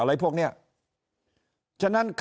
ถ้าท่านผู้ชมติดตามข่าวสาร